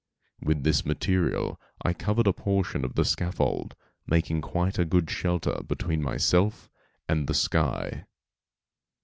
With this material I covered a portion of the scaffold, making quite a good shelter between myself and the sky.